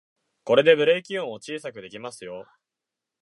これでブレーキ音を小さくできますよ